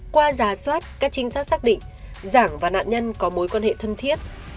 qua giả soát các trinh sát xác định giảng và nạn nhân có mối quan hệ thân thiết